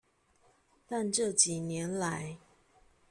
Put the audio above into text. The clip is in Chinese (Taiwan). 但這幾年來